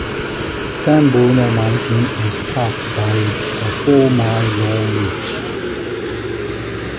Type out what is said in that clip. San Bruno Mountain is topped by a four mile long ridge.